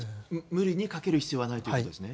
無理にかける必要はないと。